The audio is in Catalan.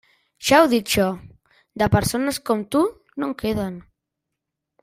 Ja ho dic jo; de persones com tu, no en queden.